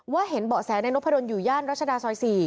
ว่าเห็นเบาะแสในนกพิธรณอยู่ย่านรัชดาซอย๔